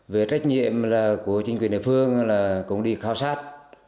về trách nhiệm của chính quyền địa phương là cũng đi khảo sát